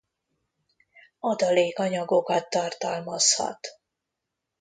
Adalékanyagokat tartalmazhat.